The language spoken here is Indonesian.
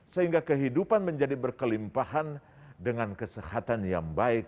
sehingga kehidupan menjadi berkelimpahan dengan kesehatan yang baik